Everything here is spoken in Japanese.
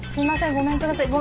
ごめんください。